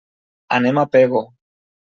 Anem a Pego.